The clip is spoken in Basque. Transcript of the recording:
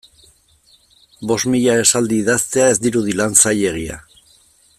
Bost mila esaldi idaztea ez dirudi lan zailegia.